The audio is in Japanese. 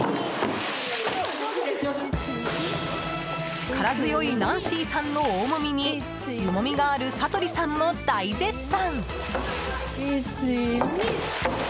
力強いナンシーさんの大もみに湯もみガール佐鳥さんも大絶賛！